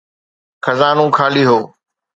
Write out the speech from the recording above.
خزانو خالي هو.